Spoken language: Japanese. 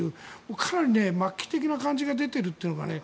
かなり末期的な感じが出ているというのがね。